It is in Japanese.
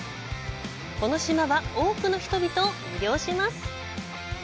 この島は、多くの人々を魅了します。